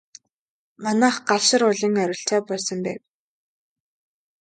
Манайх Галшар уулын ойролцоо буусан байв.